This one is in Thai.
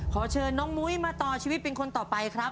ขอเชิญน้องมุ้ยมาต่อชีวิตเป็นคนต่อไปครับ